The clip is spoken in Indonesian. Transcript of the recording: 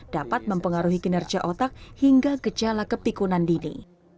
dapat mempengaruhi kinerja otak hingga gejala kepikunan dini